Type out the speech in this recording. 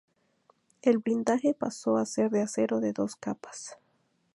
El blindaje pasó a ser de acero de dos capas.